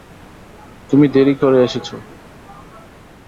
তুমি দেরি করে এসেছ।